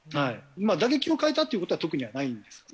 打撃を変えたっていうことは特にはないんですよね。